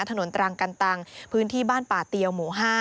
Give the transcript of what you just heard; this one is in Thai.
ตรังกันตังพื้นที่บ้านป่าเตียวหมู่๕